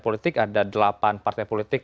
politik ada delapan partai politik